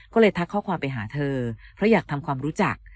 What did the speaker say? ก็เลยทักข้อความไปหาเธอเพราะอยากทำความรู้จัก